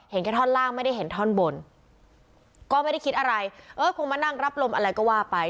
แค่ท่อนล่างไม่ได้เห็นท่อนบนก็ไม่ได้คิดอะไรเออคงมานั่งรับลมอะไรก็ว่าไป